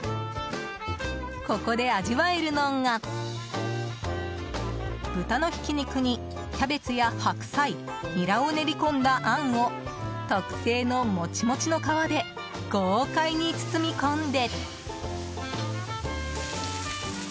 ここで味わえるのが豚のひき肉にキャベツや白菜、ニラを練りこんだあんを特製のモチモチの皮で豪快に包み込んで。